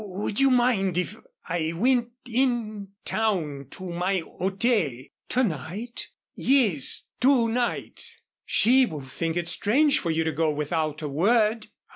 Would you mind if I went in town to my hotel " "To night?" "Yes to night." "She will think it strange for you to go without a word."